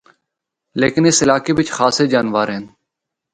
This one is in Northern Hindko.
لیکن اس علاقے بچ خاصے جانور ہن۔